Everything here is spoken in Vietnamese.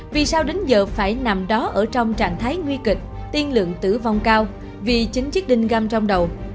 vì sao đến giờ phải nằm đó ở trong trạng thái nguy kịch tiên lượng tử vong cao vì chính chiếc đinh găm trong đầu